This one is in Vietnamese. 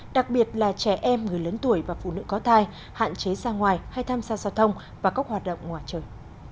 đặc biệt là trẻ em người lớn tuổi và phụ nữ có thai hạn chế ra ngoài hay tham gia giao thông và các hoạt động ngoài trời